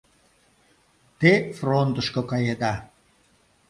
Те фронтышко каеда.